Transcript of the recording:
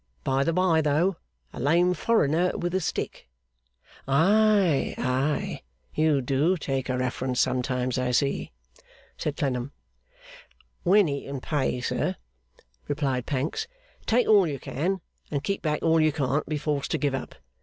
By the bye, though. A lame foreigner with a stick.' 'Ay, ay. You do take a reference sometimes, I see?' said Clennam. 'When he can pay, sir,' replied Pancks. 'Take all you can get, and keep back all you can't be forced to give up.